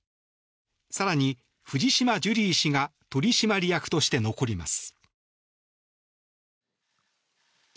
更に、藤島ジュリー氏が取締役として残ります。